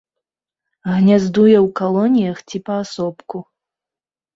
Гняздуе ў калоніях ці паасобку.